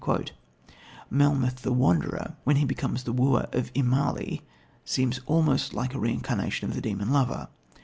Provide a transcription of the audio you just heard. " Melmoth the Wanderer, when he becomes the wooer of Immalee, seems almost like a reincarnation of the Demon Lover.